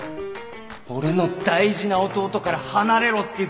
俺の大事な弟から離れろって言ってるんだ